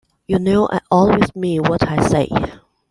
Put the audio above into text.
You know I always mean what I say.